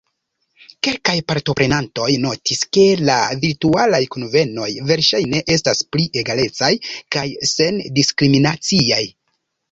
Kelkaj partoprenantoj notis, ke la virtualaj kunvenoj verŝajne estas pli egalecaj kaj sen-diskriminaciaj.